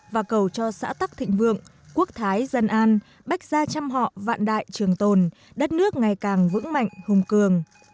và cầu cho xã tắc thịnh vượng quốc thái dân an bách gia trăm họ vạn đại trường tồn đất nước ngày càng vững mạnh hùng cường